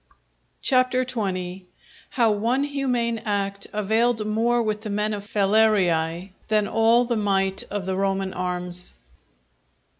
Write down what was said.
CHAPTER XX.—_How one humane act availed more with the men of Falerii, than all the might of the Roman Arms.